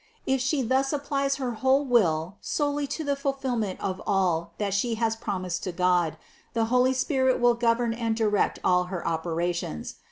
If she thus applies her whole will solely to the fulfillment of all that she has promised to God, the holy Spirit will govern and direct all her operations.